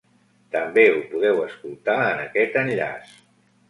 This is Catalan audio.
També ho podeu escoltar en aquest enllaç.